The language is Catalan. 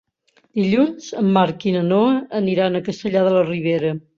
Dilluns en Marc i na Noa aniran a Castellar de la Ribera.